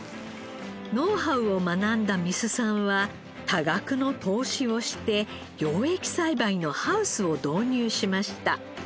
ノウハウを学んだ三須さんは多額の投資をして養液栽培のハウスを導入しました。